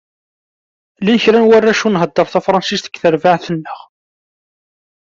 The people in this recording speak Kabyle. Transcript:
Llan kra n warrac ur nhedder tafransist deg terbaεt-nneɣ.